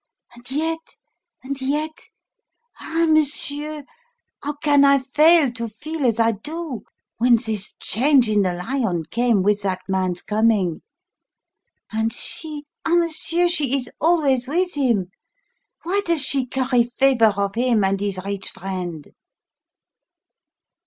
And yet and yet Ah, monsieur, how can I fail to feel as I do when this change in the lion came with that man's coming? And she ah, monsieur, she is always with him. Why does she curry favour of him and his rich friend?"